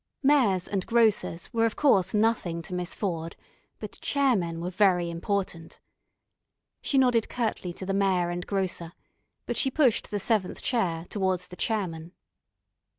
Mayors and grocers were of course nothing to Miss Ford, but Chairmen were very important. She nodded curtly to the Mayor and grocer, but she pushed the seventh chair towards the Chairman.